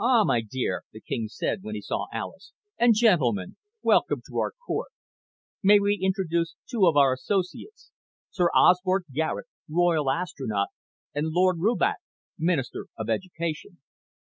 "Ah, my dear," the king said when he saw Alis. "And gentlemen. Welcome to our court. May we introduce two of our associates? Sir Osbert Garet, Royal Astronaut, and Lord Rubach, Minister of Education."